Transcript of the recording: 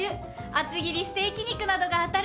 厚切りステーキ肉などが当たるの！